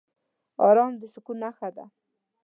ارام د سکون نښه ده.